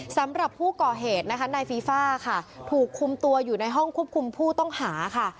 สำหรับผู้ก่อเหตุนะคะนายฟีฟ่าค่ะถูกคุมตัวอยู่ในห้องควบคุมผู้ต้องหาค่ะ